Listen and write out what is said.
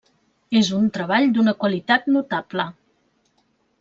És un treball d'una qualitat notable.